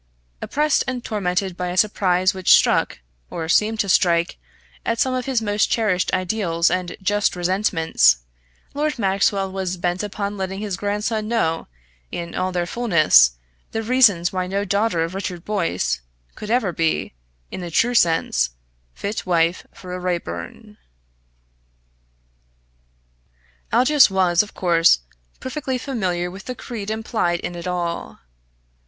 Oppressed and tormented by a surprise which struck, or seemed to strike, at some of his most cherished ideals and just resentments, Lord Maxwell was bent upon letting his grandson know, in all their fulness, the reasons why no daughter of Richard Boyce could ever be, in the true sense, fit wife for a Raeburn. Aldous was, of course, perfectly familiar with the creed implied in it all.